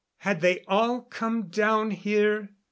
Had they all come down here?